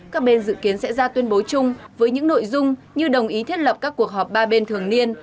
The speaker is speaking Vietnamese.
các bên dự kiến sẽ ra tuyên bố chung với những nội dung như đồng ý thiết lập các cuộc họp ba bên thường niên